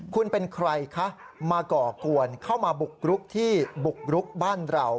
คุณเป็นใครคะมาก่อกวนเข้ามาบุกรุกที่บุกรุกบ้านเรา